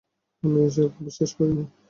আমিও এই সব বিশ্বাস করি না।